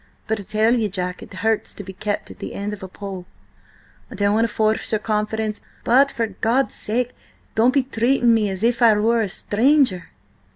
But, I tell ye, Jack, it hurts to be kept at the end of a pole! I don't want to force your confidence, but for God's sake don't be treating me as if I were a stranger!"